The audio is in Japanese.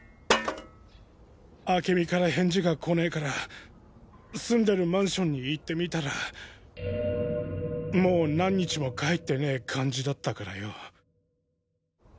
明美から返事が来ねぇから住んでるマンションに行ってみたらもう何日も帰ってねぇ感じだったからよ。